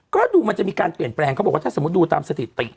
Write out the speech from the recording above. ก็ดูมันจะมีการเปลี่ยนแปลงเขาบอกว่าถ้าสมมุติดูตามสถิติ